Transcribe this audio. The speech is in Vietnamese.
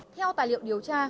theo tài liệu điều tra